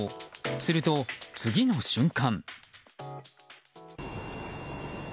すると、次の瞬間。